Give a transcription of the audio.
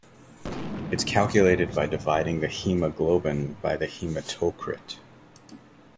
It is calculated by dividing the haemoglobin by the haematocrit.